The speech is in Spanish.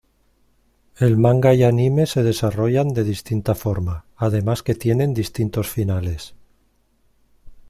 El manga y anime se desarrollan de distinta forma, además que tienen distintos finales.